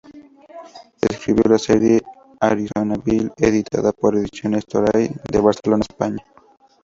Escribió la serie "Arizona Bill" editada por Ediciones Toray de Barcelona, España.